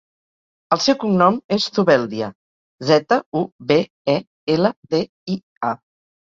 El seu cognom és Zubeldia: zeta, u, be, e, ela, de, i, a.